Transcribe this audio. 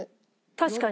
確かに。